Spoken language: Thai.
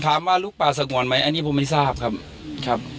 ถามว่าลุกป่าสงวนไหมผมไม่ทราบครับ